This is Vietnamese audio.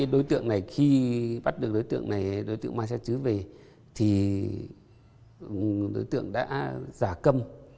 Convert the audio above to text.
đối tượng này khi bắt được đối tượng này đối tượng marcel chứ về thì đối tượng đã giả câm